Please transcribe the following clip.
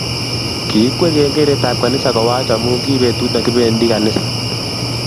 Kikikwer kengelt ab kanisa kowach amu ki betut nikipendi kanisa